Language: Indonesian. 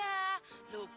ada kan ten